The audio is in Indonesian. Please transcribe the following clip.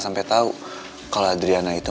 sampai tahu kalau adriana itu